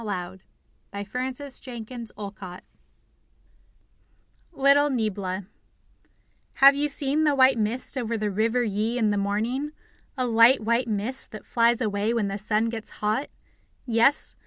Lydia Maria Child (Adapted) LITTLE NIEBLA Have you seen the white mist over the River Yi in the morning a light white mist that flies away when the sun gets hot? Yes?